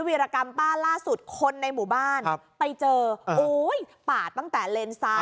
วิรกรรมป้าล่าสุดคนในหมู่บ้านไปเจอโอ้ยปาดตั้งแต่เลนซ้าย